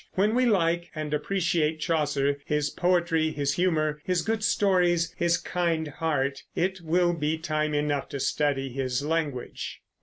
When we like and appreciate Chaucer his poetry, his humor, his good stories, his kind heart it will be time enough to study his language.